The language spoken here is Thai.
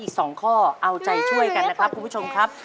๒ข้อเอาไมิดาทีช่วยกันครับคุณผู้ชมครับ